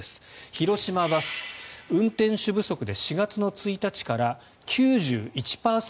広島バス、運転手不足で４月１日から９１％